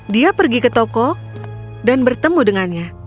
dia pergi ke toko dan bertemu dengannya